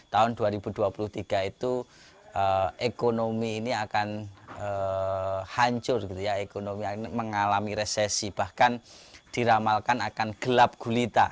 tahun dua ribu dua puluh tiga itu ekonomi ini akan hancur gitu ya ekonomi mengalami resesi bahkan diramalkan akan gelap gulita